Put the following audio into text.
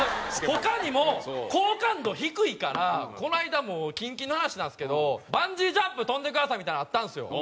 他にも好感度低いからこの間も近々の話なんですけどバンジージャンプ飛んでくださいみたいなのあったんですよ。